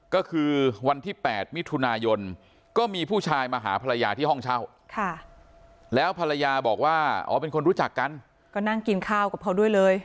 ก็คือวันที่๘มิถุนายนก็มีผู้ชายมาหาภรรยาที่ห้องเช่าแล้วภรรยาบอกว่าอ๋อเป็นคนรู้จักกันก็นั่งกินข้าวกับเขาด้วยเลย